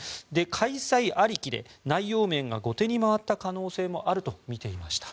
開催ありきで内容面が後手に回った可能性もあるとみていました。